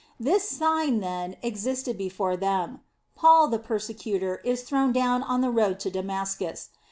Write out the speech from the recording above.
This sign, then, existed before them. Paul the persecutor, is thrown down on the road to Damascus.